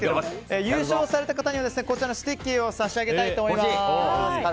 優勝された方にはスティッキーを差し上げたいと思います。